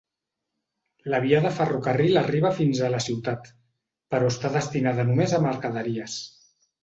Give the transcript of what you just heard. La via de ferrocarril arriba fins a la ciutat, però està destinada només a mercaderies.